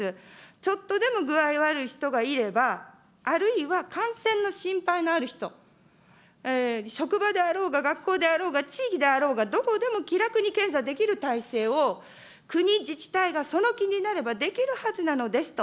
ちょっとでも具合悪い人がいれば、あるいは感染の心配のある人、職場であろうが、学校であろうが、地域であろうが、どこでも気楽に検査できる体制を、国、自治体がその気になればできるはずなのですと。